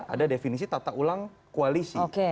ada definisi tata ulang koalisi